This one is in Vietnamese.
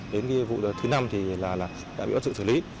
đến vụ thứ năm thì đã bị bất sự xử lý